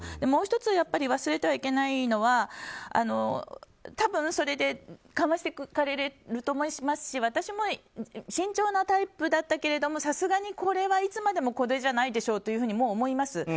もう１つ、忘れてはいけないのは多分、それで緩和していくと思いますし私も慎重なタイプだったけれどもこれはさすがにいつまでもこれじゃないでしょと思います。